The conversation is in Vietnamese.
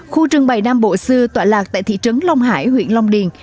khu trưng bày nam bộ xưa tọa lạc tại thị trấn long hải huyện long điền